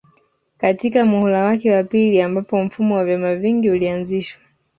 katika muhula wake wa pili ambapo mfumo wa vyama vingi ulianzishwa